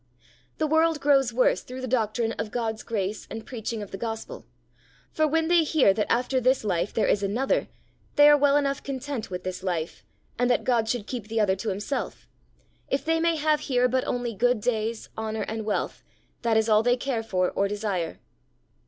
The world grows worse through the doctrine of God's Grace and preaching of the Gospel; for when they hear that after this life there is another, they are well enough content with this life, and that God should keep the other to himself; if they may have here but only good days, honour, and wealth, that is all they care for or desire.